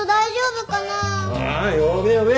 ああ呼べ呼べ。